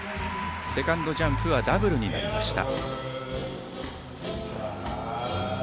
セカンドジャンプはダブルになりました。